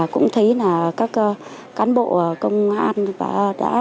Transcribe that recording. cũng thấy các cán bộ công an đã